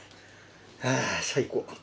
はあ最高。